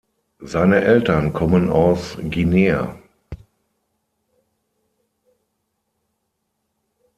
Seine Eltern kommen aus Guinea.